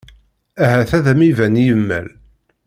Ahat ad am-iban yimal.